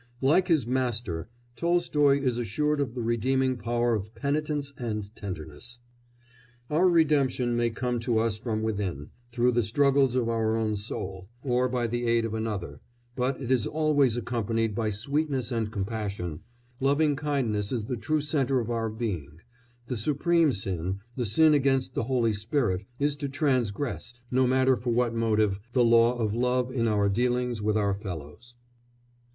Like his Master, Tolstoy is assured of the redeeming power of penitence and tenderness. Our redemption may come to us from within, through the struggles of our own soul, or by the aid of another, but it is always accompanied by sweetness and compassion; loving kindness is the true centre of our being; the supreme sin the sin against the Holy Spirit is to transgress, no matter for what motive, the law of love in our dealings with our fellows.